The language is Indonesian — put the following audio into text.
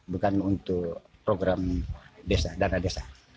bukan untuk program desa dana desa